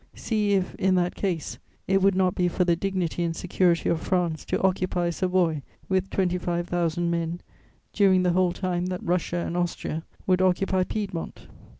"See if, in that case, it would not be for the dignity and security of France to occupy Savoy with twenty five thousand men during the whole time that Russia and Austria would occupy Piedmont.